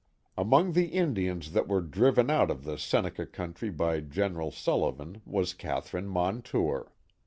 Among the Indians that were driven out of the Seneca country by General Sullivan was Catherine Montour.